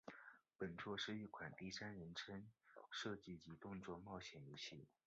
本作是一款第三人称射击及动作冒险游戏。